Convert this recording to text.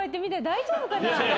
大丈夫かな？